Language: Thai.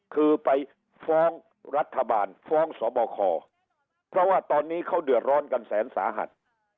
คือไปฟ้องรัฐบาลฟ้องสบคเพราะว่าตอนนี้เขาเดือดร้อนกันแสนสาหัส